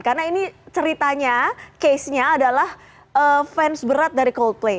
karena ini ceritanya casenya adalah fans berat dari coldplay